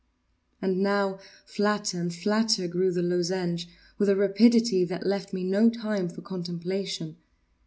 And now, flatter and flatter grew the lozenge, with a rapidity that left me no time for contemplation.